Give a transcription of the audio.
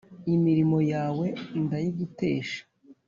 imirimo yawe ndayigutesha